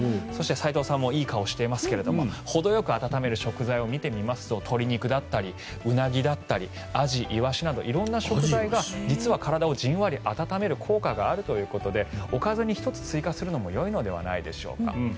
斎藤さんもいい顔をしていますがほどよく温める食材を見てみますと鶏肉、ウナギだったりアジ、イワシなど色んな食材が実は体をじんわり温める効果があるということでおかずに１つ追加するのもよいのではないでしょうか。